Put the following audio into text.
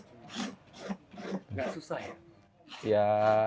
tidak susah ya